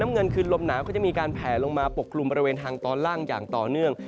เงินคือลมหนาวก็จะมีการแผลลงมาปกกลุ่มบริเวณทางตอนล่างอย่างต่อเนื่อง